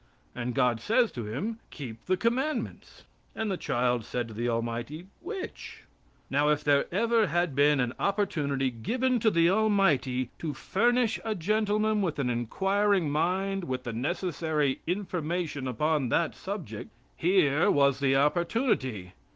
And God says to him: Keep the commandments. And the child said to the Almighty: "Which?" Now if there ever had been an opportunity given to the Almighty to furnish a gentleman with an inquiring mind with the necessary information upon that subject, here was the opportunity.